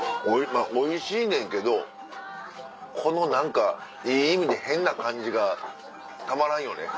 まぁおいしいねんけどこの何かいい意味で変な感じがたまらんよね。